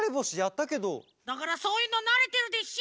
だからそういうのなれてるでしょ！